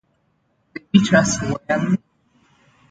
They beat us well.